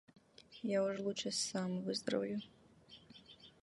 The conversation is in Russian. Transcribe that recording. Я уж лучше сам выздоровлю.